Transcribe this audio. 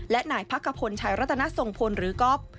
และหน่ายพักกระพลชัยรัตนส่งพลหรือก๊อป